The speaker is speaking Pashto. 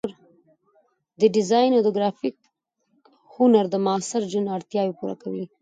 د ډیزاین او ګرافیک هنر د معاصر ژوند اړتیاوې پوره کوي.